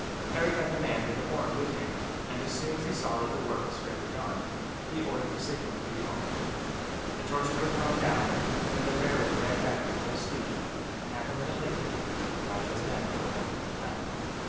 Harry had the man with the horn with him and, as soon as he saw that the work was fairly done, he ordered the signal to be blown. The torches were thrown down, and their bearers ran back at full speed and, half a minute later, the rajah's men poured out from the town.